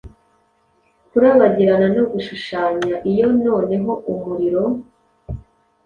Kurabagirana no gushushanya iyo noneho umuriro